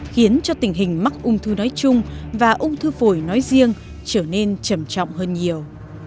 khiến cho tình hình mắc ung thư nói chung và ung thư phổi nói riêng trở nên trầm trọng hơn nhiều